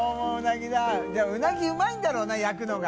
任うなぎうまいんだろうな焼くのが。